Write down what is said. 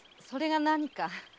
それが何か。